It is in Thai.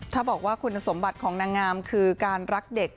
ถ้าบอกว่าคุณสมบัติของนางงามคือการรักเด็ก